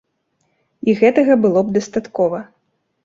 І гэтага было б дастаткова.